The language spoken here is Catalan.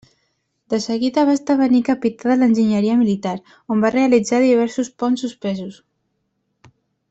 De seguida va esdevenir capità de l'enginyeria militar, on va realitzar diversos ponts suspesos.